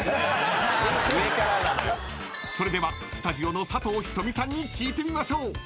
［それではスタジオの佐藤仁美さんに聞いてみましょう］